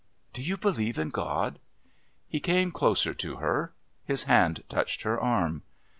Do you believe in God?" He came closer to her. His hand touched her arm.